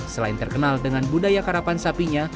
selain terkenal dengan budaya karapan sapinya